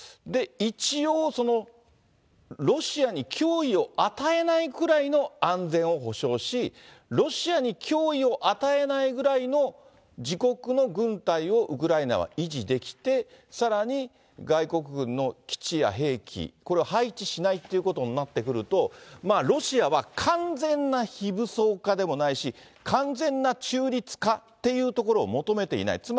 一応、ロシアに脅威を与えないぐらいの安全を保障し、ロシアに脅威を与えないぐらいの自国の軍隊をウクライナは維持できて、さらに外国軍の基地や兵器、これを配置しないということになってくると、ロシアは完全な非武装化でもないし、完全な中立化っていうところを求めていない。